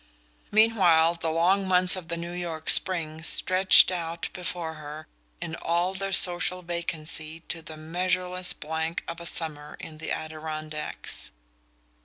Meanwhile the long months of the New York spring stretched out before her in all their social vacancy to the measureless blank of a summer in the Adirondacks.